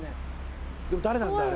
誰なんだ？